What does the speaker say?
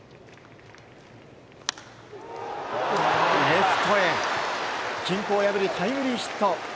レフトへ均衡を破るタイムリーヒット。